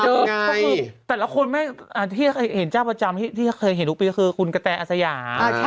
ก็คือแต่ละคนที่เห็นเจ้าประจำที่เคยเห็นทุกปีก็คือคุณกะแตอาสยา